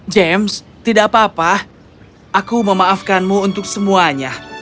james tidak apa apa aku memaafkanmu untuk semuanya